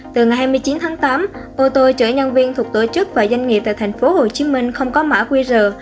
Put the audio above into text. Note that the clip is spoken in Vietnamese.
từ ngày hai mươi chín tháng tám ô tô chở nhân viên thuộc tổ chức và doanh nghiệp tại thành phố hồ chí minh không có mã quy rờ